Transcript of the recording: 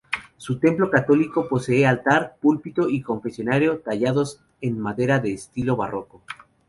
Su templo católico posee altar, púlpito y confesionario tallados en madera de estilo barroco.